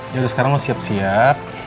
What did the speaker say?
yaudah sekarang lo siap siap